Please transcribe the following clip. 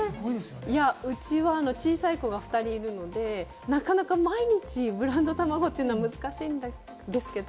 うちは小さい子が２人いるので、なかなか毎日ブランドたまごは難しいんですけど。